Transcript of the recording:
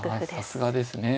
さすがですね。